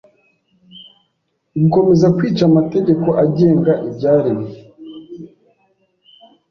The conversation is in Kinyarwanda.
Gukomeza kwica amategeko agenga ibyaremwe